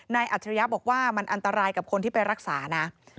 อัจฉริยะบอกว่ามันอันตรายกับคนที่ไปรักษานะ